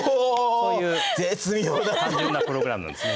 そういう単純なプログラムですね。